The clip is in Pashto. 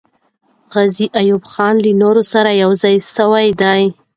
غازي ایوب خان له نورو سره یو ځای سوی دی.